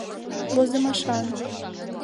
Возымашан.